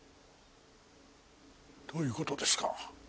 どういう事ですか？